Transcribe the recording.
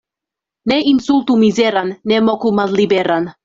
Ne insultu mizeran, ne moku malliberan.